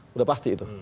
sudah pasti itu